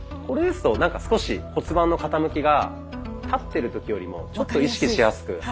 これですとなんか少し骨盤の傾きが立ってる時よりもちょっと意識しやすく。